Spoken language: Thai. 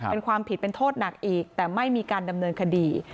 เป็นความผิดเป็นโทษหนักอีกแต่ไม่มีการดำเนินคดี